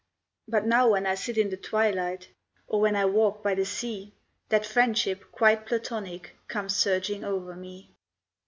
But now when I sit in the twilight, Or when I walk by the sea That friendship, quite Platonic, Comes surging over me.